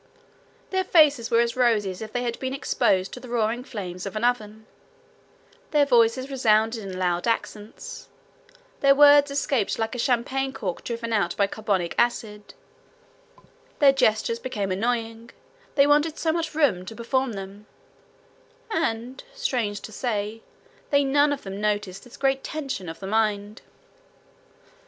Their faces were as rosy as if they had been exposed to the roaring flames of an oven; their voices resounded in loud accents; their words escaped like a champagne cork driven out by carbonic acid; their gestures became annoying, they wanted so much room to perform them; and, strange to say, they none of them noticed this great tension of the mind.